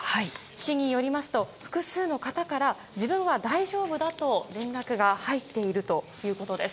市によりますと、複数の方から自分は大丈夫だと連絡が入っているということです。